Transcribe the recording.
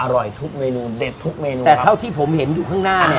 อร่อยทุกเมนูเด็ดทุกเมนูแต่เท่าที่ผมเห็นอยู่ข้างหน้าเนี่ย